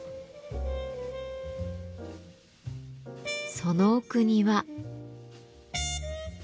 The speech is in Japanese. その奥には。